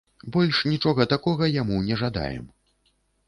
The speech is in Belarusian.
Больш нічога такога яму не жадаем.